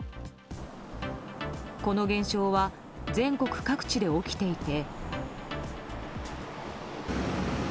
この現象は全国各地で起きていて。